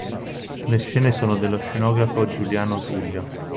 Le scene sono dello scenografo Giuliano Tullio.